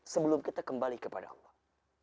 sebelum kita kembali kepada allah